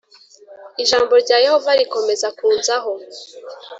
Ijambo rya Yehova rikomeza kunzaho